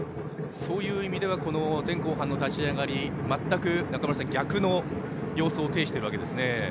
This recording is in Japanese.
そういう意味では前後半の立ち上がり全く逆の様相を呈しているわけですね。